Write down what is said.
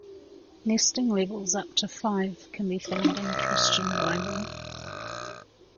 Nesting levels up to five can be found in the Christian Bible.